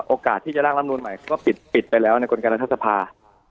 โอกาสที่จะร่างลำนูนใหม่ก็ปิดไปแล้วในกลการรัฐสภา